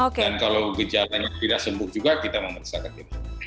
dan kalau gejalanya tidak sembuh juga kita mempercayai